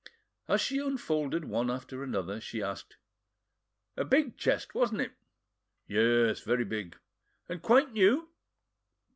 As she unfolded one after another, she asked: "A big chest, wasn't it?" "Yes, very big." "And quite new?"